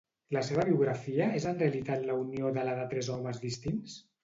La seva biografia és en realitat la unió de la de tres homes distints?